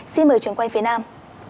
xin mời trường quay phía nam